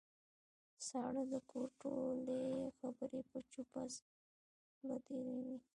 ساره د کور ټولې خبرې په چوپه خوله تېروي.